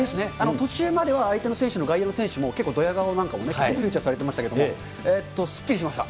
途中までは相手の選手の外野の選手も結構、ドヤ顔なんかもフィーチャーされてましたけれども、すっきりしました。